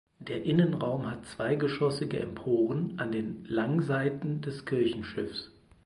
Der Innenraum hat zweigeschossige Emporen an den Langseiten des Kirchenschiffs.